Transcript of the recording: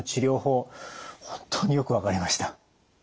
本当によく分かりました。